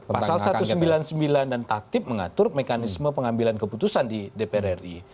pasal satu ratus sembilan puluh sembilan dan tatip mengatur mekanisme pengambilan keputusan di dpr ri